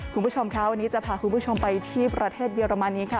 คุณผู้ชมค่ะวันนี้จะพาคุณผู้ชมไปที่ประเทศเยอรมนีค่ะ